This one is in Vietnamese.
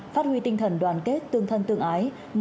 phát huy tinh thần đoàn kết tương thân tương ái